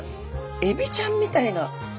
エビちゃんみたいな。